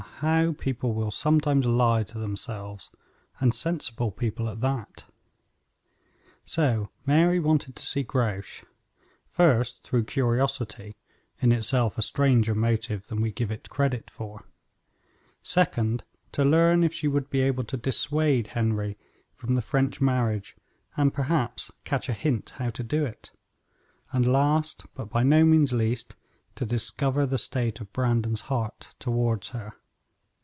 how people will sometimes lie to themselves; and sensible people at that. So Mary wanted to see Grouche; first, through curiosity, in itself a stronger motive than we give it credit for; second, to learn if she would be able to dissuade Henry from the French marriage and perhaps catch a hint how to do it; and last, but by no means least, to discover the state of Brandon's heart toward her.